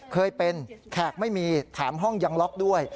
เคยเป็นแขกไม่มีแถมห้องยังล็อกด้วย